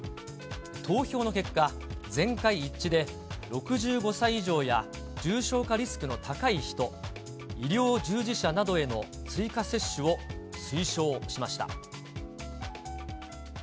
投票の結果、全会一致で６５歳以上や重症化リスクの高い人、医療従事者などへの追加接種を推奨しました。